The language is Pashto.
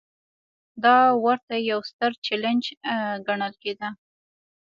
دا ورته یو ستر چلنج ګڼل کېده.